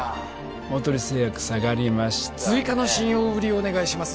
大鳥製薬下がりましたね追加の信用売りをお願いします